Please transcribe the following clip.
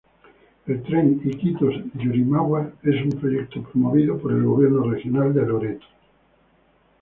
El tren Iquitos—Yurimaguas es un proyecto promovido por el Gobierno Regional de Loreto.